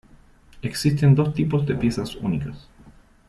Existen dos tipos de piezas únicas.